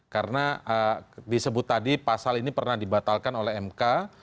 karena disebut tadi pasal ini pernah dibatalkan oleh mk